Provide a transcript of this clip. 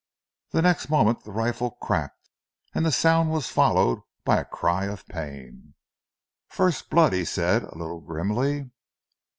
The next moment the rifle cracked and the sound was followed by a cry of pain. "First blood!" he said, a little grimly.